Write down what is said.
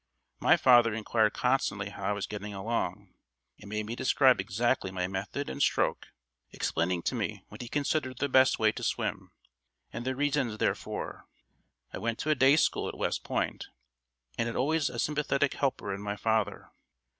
My father inquired constantly how I was getting along, and made me describe exactly my method and stroke, explaining to me what he considered the best way to swim, and the reasons therefor. I went to a day school at West Point, and had always a sympathetic helper in my father.